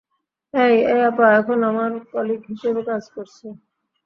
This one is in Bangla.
এই, এই আপা এখন আমার কলিগ হিসেবে কাজ করছে।